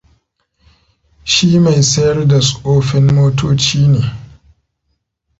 Shi mai sayar da tsofin motoci ne.